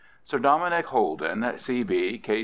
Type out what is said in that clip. Sir Dominick Holden, C.